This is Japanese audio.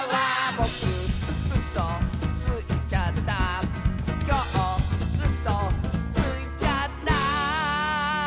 「ぼくうそついちゃった」「きょううそついちゃった」